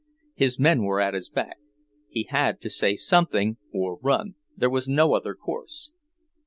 His men were at his back; he had to say something or run, there was no other course.